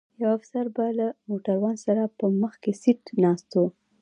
یو افسر به له موټروان سره په مخکي سیټ ناست و.